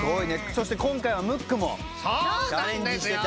そして今回はムックもチャレンジしてた。